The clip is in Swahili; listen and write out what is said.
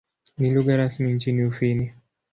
Ni lugha rasmi nchini Ufini.